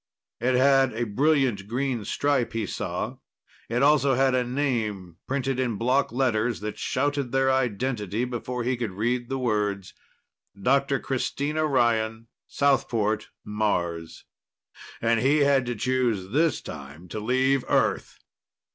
It had a brilliant green stripe, he saw. It also had a name, printed in block letters that shouted their identity before he could read the words. Dr. Christina Ryan, Southport, Mars. And he'd had to choose this time to leave Earth!